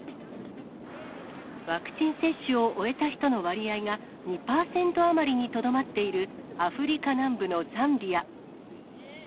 ワクチン接種を終えた人の割合が、２％余りにとどまっているアフリカ南部のザンビア。